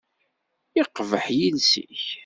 Yeqbeḥ yiles-ik.